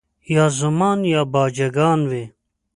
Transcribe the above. یا زومان یا باجه ګان وي